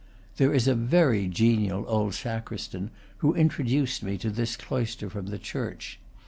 There is a very genial old sacristan, who introduced me to this cloister from the church.